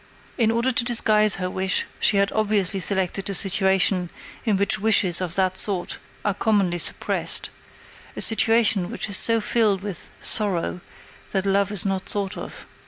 In order to disguise her wish she had obviously selected a situation in which wishes of that sort are commonly suppressed a situation which is so filled with sorrow that love is not thought of.